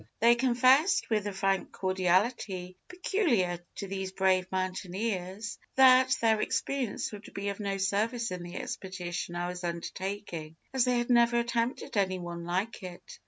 They confessed, with the frank cordiality peculiar to these brave mountaineers, that their experience would be of no service in the expedition I was undertaking, as they had never attempted any one like it.